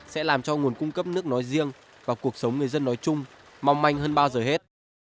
sẽ làm cho nguồn cung cấp nước nói riêng và cuộc sống người dân nói chung mong manh hơn bao giờ hết